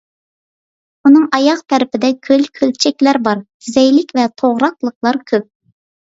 ئۇنىڭ ئاياغ تەرىپىدە كۆل، كۆلچەكلەر بار، زەيلىك ۋە توغراقلىقلار كۆپ.